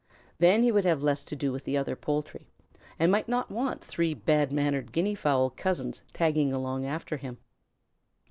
Then he would have less to do with the other poultry, and might not want three bad mannered Guinea fowl cousins tagging along after him.